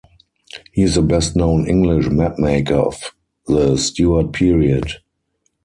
He is the best known English mapmaker of the Stuart period.